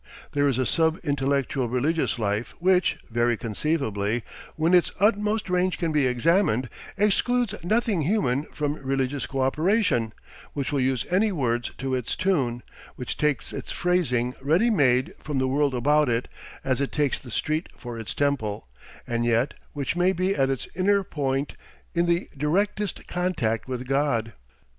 There is a sub intellectual religious life which, very conceivably, when its utmost range can be examined, excludes nothing human from religious cooperation, which will use any words to its tune, which takes its phrasing ready made from the world about it, as it takes the street for its temple, and yet which may be at its inner point in the directest contact with God.